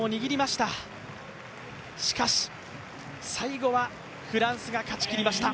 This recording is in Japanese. しかし最後はフランスが勝ちきりました。